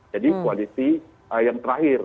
jadi koalisi yang terakhir